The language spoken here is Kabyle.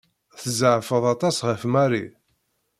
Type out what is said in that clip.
Tzeɛfeḍ aṭas ɣef Mary.